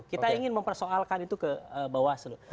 kita ingin mempersoalkan itu ke bawah seluruh